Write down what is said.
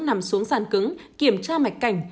nằm xuống sàn cứng kiểm tra mạch cảnh